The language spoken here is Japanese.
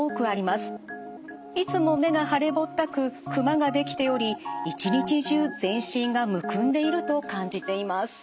いつも目が腫れぼったくクマが出来ており一日中全身がむくんでいると感じています。